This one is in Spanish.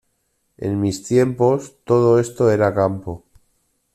En mis tiempos, todo esto era campo.